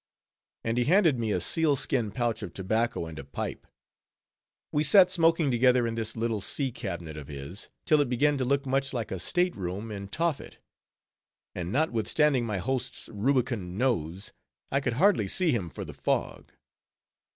And he handed me a seal skin pouch of tobacco and a pipe. We sat smoking together in this little sea cabinet of his, till it began to look much like a state room in Tophet; and notwithstanding my host's rubicund nose, I could hardly see him for the fog.